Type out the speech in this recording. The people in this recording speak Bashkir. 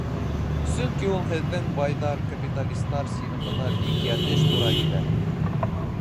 Сөнки ул һеҙҙең байҙар, капиталистар синыфына бик йәтеш тура килә.